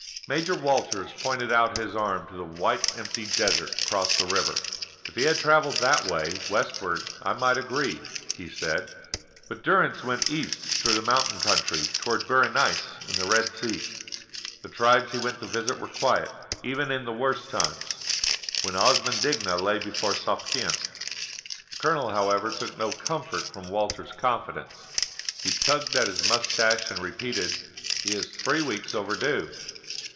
Major Walters pointed out his arm to the white empty desert across the river. "If he had travelled that way, westward, I might agree," he said. "But Durrance went east through the mountain country toward Berenice and the Red Sea. The tribes he went to visit were quiet, even in the worst times, when Osman Digna lay before Suakin." The colonel, however, took no comfort from Walters's confidence. He tugged at his moustache and repeated, "He is three weeks overdue."